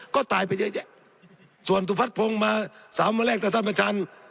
ก็ตายไปเยอะแยะส่วนสุพัฒนพงศ์มาสามวันแรกแต่ท่านประธาน